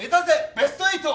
ベスト８！